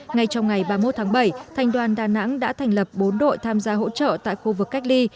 ngay trong ngày ba mươi một tháng bảy thành đoàn đà nẵng đã thành lập bốn đội tham gia hỗ trợ tại khu vực cách ly